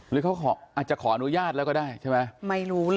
หรือเขาอาจจะขออนุญาตแล้วก็ได้ใช่ไหมไม่รู้เลย